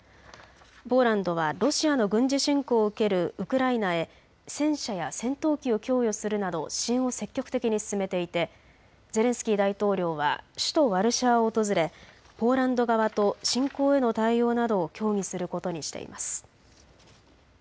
ポーランドはロシアの軍事侵攻を受けるウクライナへ戦車や戦闘機を供与するなど支援を積極的に進めていてゼレンスキー大統領は首都ワルシャワを訪れポーランド側と侵攻への対応などを協議することにしています。